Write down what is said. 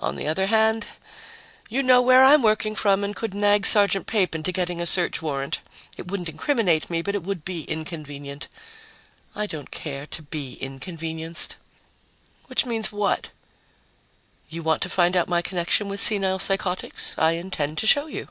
On the other hand, you know where I'm working from and could nag Sergeant Pape into getting a search warrant. It wouldn't incriminate me, but it would be inconvenient. I don't care to be inconvenienced." "Which means what?" "You want to find out my connection with senile psychotics. I intend to show you."